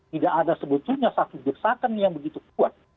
tidak ada sebetulnya satu desakan yang begitu kuat